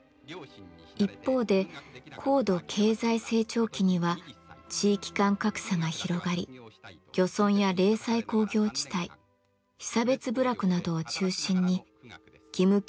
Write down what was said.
一方で高度経済成長期には地域間格差が広がり漁村や零細工業地帯被差別部落などを中心に義務教育を十分に受けられないまま